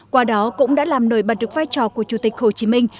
qua đó cũng đã làm nổi bật được vai trò của chủ tịch hồ chí minh